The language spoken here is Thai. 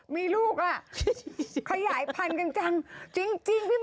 มีลูกอ่ะเขาย่ายพันกันจังจริงพี่มึง